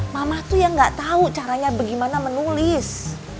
mamah tuh yang gak tahu caranya bagaimana menulis